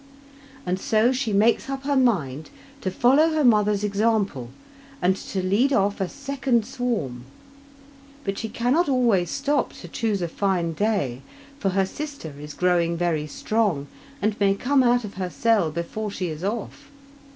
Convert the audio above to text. And so she makes up her mind to follow her mother's example and to lead off a second swarm. But she cannot always stop to choose a fine day, for her sister is growing very strong and may come out of her cell before she is off.